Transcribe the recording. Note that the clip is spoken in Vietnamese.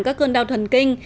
các cơn đau thần kinh